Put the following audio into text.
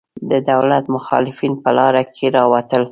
د دولت مخالفین په لاره کې راوتل.